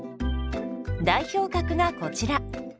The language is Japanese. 代表格がこちら。